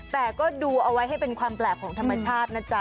แต่ก็ดูเอาไว้ให้เป็นความแปลกของธรรมชาตินะจ๊ะ